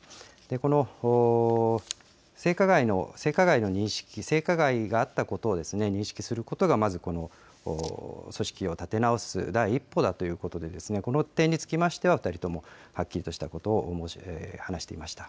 この性加害の認識、性加害があったことを認識することが、まず組織を立て直す第一歩だということで、この点につきましては、２人ともはっきりとしたことを話していました。